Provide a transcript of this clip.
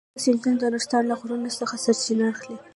دغه سیندونه د نورستان له غرونو څخه سرچینه اخلي.